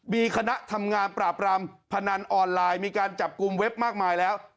มีคณะทำงานปราบรามพนันออนไลน์มีการจับกลุ่มเว็บมากมายแล้ว